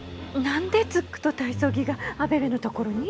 何でズックと体操着がアベベの所に？